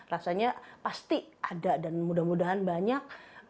rasanya pasti ada dan mudah mudahan banyak